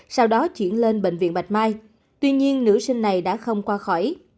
sau đó chuyển lên bệnh viện bạch mai tuy nhiên nữ sinh này đã không qua khỏi